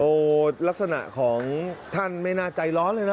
โอ้โหลักษณะของท่านไม่น่าใจร้อนเลยนะ